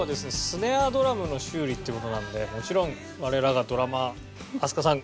スネアドラムの修理っていう事なんでもちろん我らがドラマー飛鳥さん